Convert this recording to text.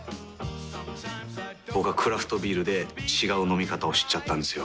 僕はクラフトビールで違う飲み方を知っちゃったんですよ。